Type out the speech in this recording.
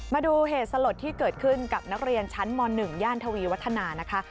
มาดูเหตุสลดที่เกิดขึ้นกับนักเรียนชั้นม๑ย่านทวีวัฒนานะคะ